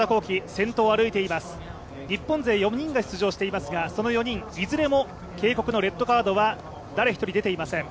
先頭を歩いています、日本勢４人が出場していますがその４人、いずれも警告のレッドカードは誰一人出ていません。